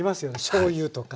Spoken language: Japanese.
しょうゆとか。